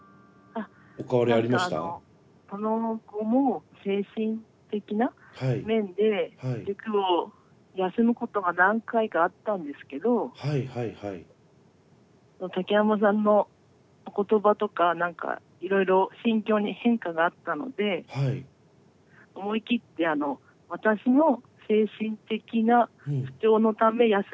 あっ何かあのその後も精神的な面で塾を休むことが何回かあったんですけどその竹山さんのお言葉とか何かいろいろ心境に変化があったので思い切って「私の精神的な不調のため休みます」って言ってみたんですね。